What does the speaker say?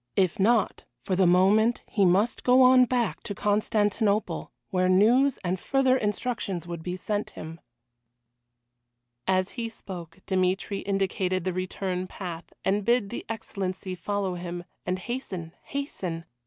If not, for the moment he must go on back to Constantinople, where news and further instructions would be sent him. As he spoke Dmitry indicated the return path, and bid the Excellency follow him, and hasten, hasten.